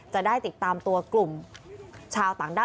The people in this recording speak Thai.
จะได้ติดตามตัวกลุ่มชาวต่างด้าว